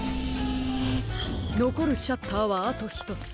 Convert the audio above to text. のこるシャッターはあとひとつ。